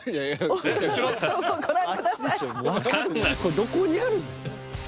どこにあるんですか